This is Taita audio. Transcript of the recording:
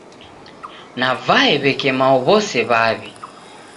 Navae w'eke mao w'ose w'aw'i.